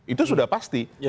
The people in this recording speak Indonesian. itu sudah pasti